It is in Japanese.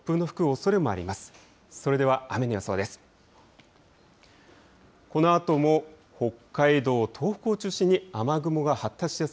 それでは雨の予想です。